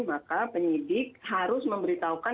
maka penyidik harus memberitahukan